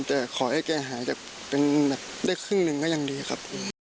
แต่ขอให้แกหายจากเป็นแบบได้ครึ่งหนึ่งก็ยังดีครับ